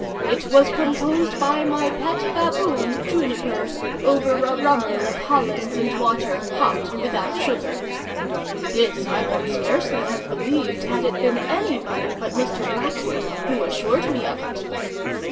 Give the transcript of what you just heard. It was composed by my pet baboon, Juniper, over a rummer of Hollands and water, 'hot, without sugar.'" [This I could scarcely have believed had it been anybody but Mr. Blackwood, who assured me of it.